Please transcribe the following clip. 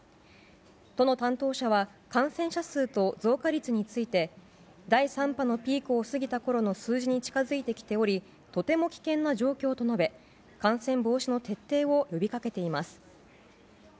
都の担当者は感染者数と増加率について第３波のピークを過ぎたころの数字に近づいてきておりとても危険な状況と述べ感染防止の徹底を呼びかけています。